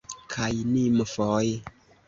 kaj nimfoj.